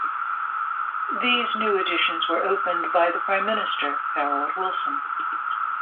These new additions were opened by the Prime Minister, Harold Wilson.